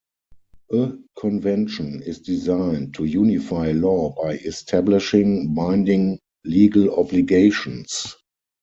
A convention is designed to unify law by establishing binding legal obligations.